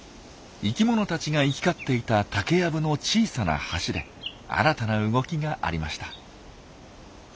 生きものたちが行き交っていた竹やぶの小さな橋で新たな動きがありました。